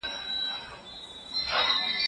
ژبه به بدلېدله.